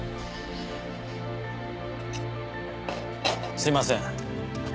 すいません。